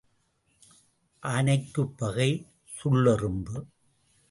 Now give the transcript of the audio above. ஆனைக்குப் பகை சுள்ளெறும்பு.